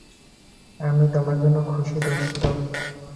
আমি তোমার জন্য খুশি, দোস্ত।